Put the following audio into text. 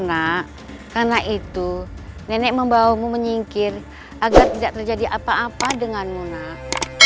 karena itu nenek membawamu menyingkir agar tidak terjadi apa apa denganmu nak